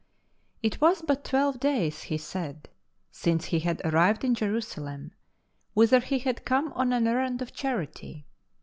It was but twelve days, he said, since he had arrived in Jerusalem, whither he had come on anerrand of charity.